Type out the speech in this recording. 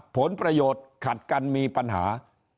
ผลประโยชน์ขัดกันมีปัญหา